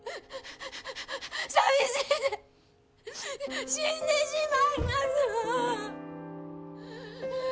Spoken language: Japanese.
寂しいて死んでしまいますわ！